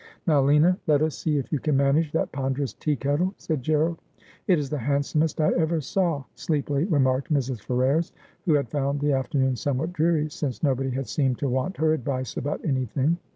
' Now, Lina, let us see if you can manage that ponderous tea kettle,' said Gerald. It is the handsomest I ever saw,' sleepily remarked Mrs. Ferrers, who had found the afternoon somewhat dreary, since nobody had seemed to want her advice about anything.